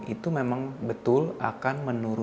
itu memang betul akan menurun